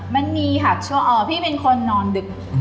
มันมีค่ะพี่เป็นคนนอนดึก